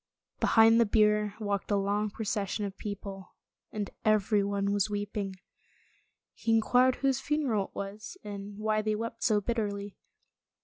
Behind the bier walked a long procession of people, and everyone was weeping. He inquired whose funeral it was, and why they wept so bitterly.